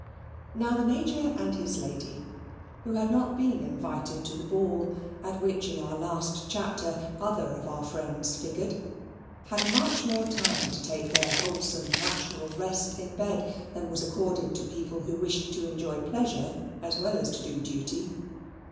Now the Major and his lady, who had not been invited to the ball at which in our last chapter other of our friends figured, had much more time to take their wholesome natural rest in bed, than was accorded to people who wished to enjoy pleasure as well as to do duty.